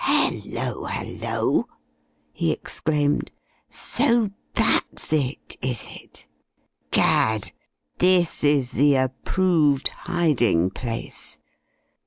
"Hello, hello!" he exclaimed. "So that's it, is it? Gad! This is the approved hiding place!